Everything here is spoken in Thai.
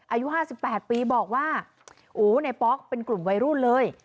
อายุ๕๘ปีบอกว่าโอ้ในป๊อกเป็นกลุ่มวัยรุ่นเลย